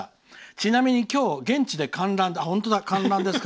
ちなみに今日、現地で観覧です。